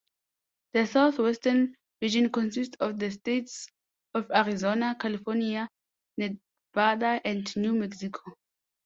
The Southwestern Region consists of the states of Arizona, California, Nevada, and New Mexico.